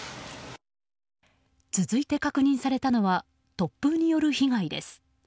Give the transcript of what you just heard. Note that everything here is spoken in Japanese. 続いて確認されたのは突風による被害です。